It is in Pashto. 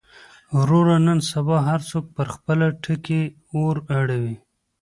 وروره نن سبا هر څوک پر خپله ټکۍ اور اړوي.